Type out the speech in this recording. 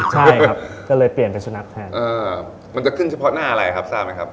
ใช่ครับก็เลยเปลี่ยนเป็นสุนัขแทนมันจะขึ้นเฉพาะหน้าอะไรครับทราบไหมครับ